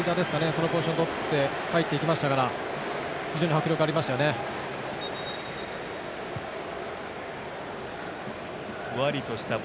そのポジションをとって入っていきましたから非常に迫力がありましたよね。